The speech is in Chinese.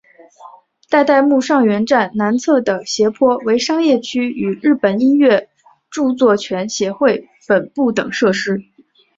代代木上原站南侧的斜坡为商业区与日本音乐着作权协会本部等设施。